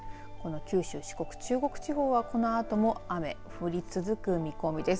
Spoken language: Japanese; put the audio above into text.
九州、四国、中国地方はこのあとも雨、降り続く見込みです。